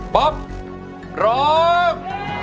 ป๊อบร้อม